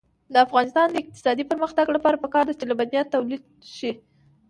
د افغانستان د اقتصادي پرمختګ لپاره پکار ده چې لبنیات تولید شي.